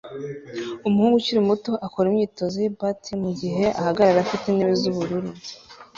Umuhungu ukiri muto akora imyitozo ya bat ye mugihe ahagarara afite intebe z'ubururu